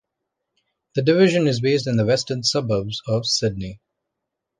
The division is based in the western suburbs of Sydney.